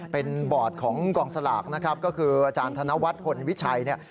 เป็นบอร์ดของกองสลากนะครับก็คืออาจารย์ธนวัฒน์พลวิชัยเนี่ย